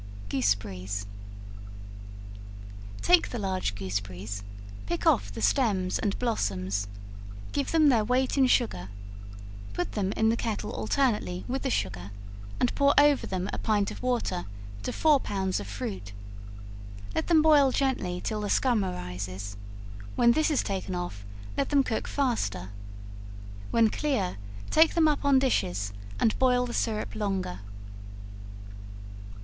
Gooseberries. Take the large gooseberries, pick off the stems and blossoms, give them their weight in sugar; put them in the kettle alternately, with the sugar, and pour over them a pint of water to four pounds of fruit; let them boil gently till the scum arises; when this is taken off, let them cook faster; when clear, take them up on dishes, and boil the syrup longer.